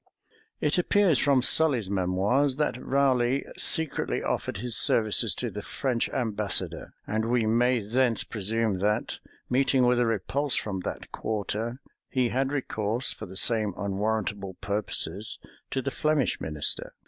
It appears from Sully's Memoirs, that Raleigh secretly offered his services to the French ambassador; and we may thence presume that, meeting with a repulse from that quarter, he had recourse, for the same unwarrantable purposes, to the Flemish minister.